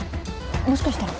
もしかしたら。